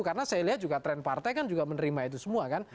karena saya lihat juga trend partai kan juga menerima itu semua kan